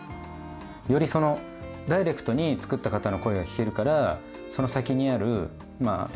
よりそのダイレクトに作った方の声が聞けるからその先にあるまあ